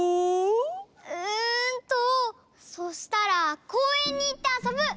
うんとそしたらこうえんにいってあそぶ！